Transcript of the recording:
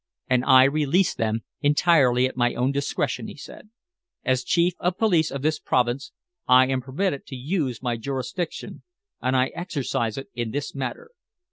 "And I release them entirely at my own discretion," he said. "As Chief of Police of this province, I am permitted to use my jurisdiction, and I exercise it in this matter.